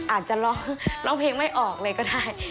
อาจจะร้องร้องเพลงไม่ออกเลยก็ได้